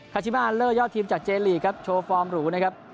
ชิมาเลอร์ยอดทีมจากเจลีกครับโชว์ฟอร์มหรูนะครับ